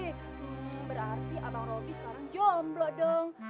hmm berarti abang roby sekarang jomblo dong